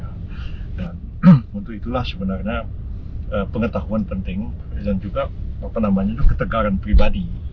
dan untuk itulah sebenarnya pengetahuan penting dan juga apa namanya itu ketegaran pribadi